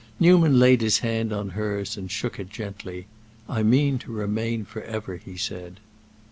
Newman laid his hand on hers and shook it gently. "I mean to remain forever," he said.